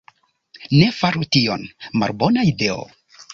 Ne faru tion. Malbona ideo.